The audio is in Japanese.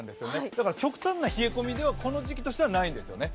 だから極端な冷え込みでは、この時期としてはないんですよね。